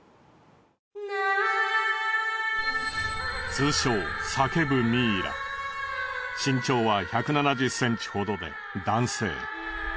通称身長は１７０センチほどで男性。